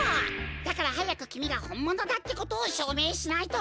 だからはやくきみがほんものだってことをしょうめいしないと！